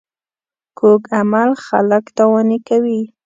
کوږ عمل خلک تاواني کوي